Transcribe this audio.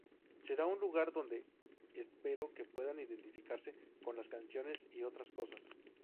Será un lugar donde espero que puedan identificarse con las canciones y otras cosas.